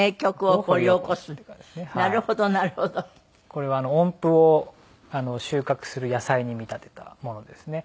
これは音符を収穫する野菜に見立てたものですね。